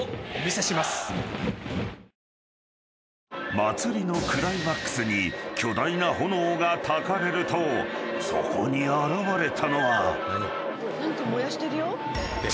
［祭りのクライマックスに巨大な炎がたかれるとそこに現れたのは］